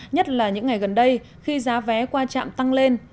nhất là những ngày gần đây khi giá vé qua trạm tăng lên